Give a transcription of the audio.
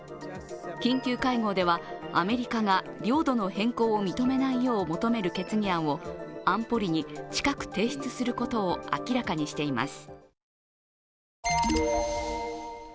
緊急会合ではアメリカが領土の変更を認めないよう求める決議案を安保理に近く提出することを明らかにしています。